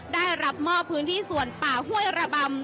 ได้รับมอบพื้นที่ส่วนป่าห้วยระบำ